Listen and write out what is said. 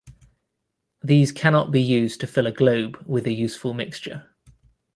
These cannot be used to fill a globe with a useful mixture.